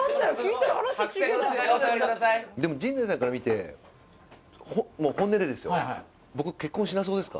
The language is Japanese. でも陣内さんから見てもう本音でですよ。